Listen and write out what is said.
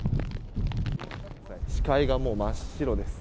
視界がもう真っ白です。